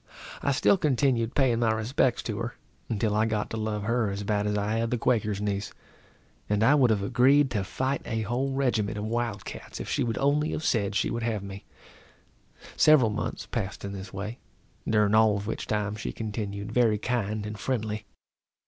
I still continued paying my respects to her, until I got to love her as bad as I had the Quaker's niece; and I would have agreed to fight a whole regiment of wild cats if she would only have said she would have me. Several months passed in this way, during all of which time she continued very kind and friendly.